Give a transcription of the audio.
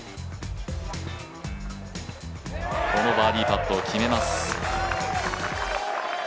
このバーディーパットを決めます。